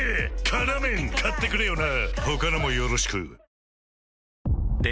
「辛麺」買ってくれよな！